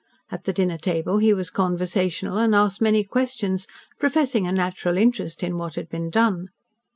At the dinner table he was conversational and asked many questions, professing a natural interest in what had been done.